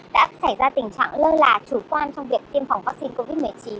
đã xảy ra tình trạng lơ là chủ quan trong việc tiêm phòng vaccine covid một mươi chín